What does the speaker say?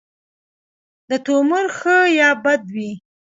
د تومور ښه یا بد وي.